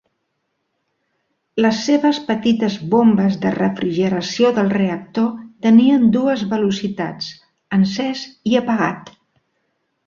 Les seves petites bombes de refrigeració del reactor tenien dues velocitats: encès i apagat.